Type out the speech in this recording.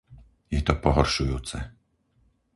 Je to pohoršujúce.